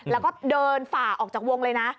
แล้วก็เดินฝ่าออกจากวงเลยนะ